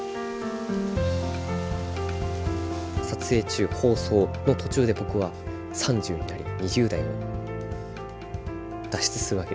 撮影中放送の途中で僕は３０になり２０代を脱出するわけですよ。